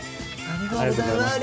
ありがとうございます。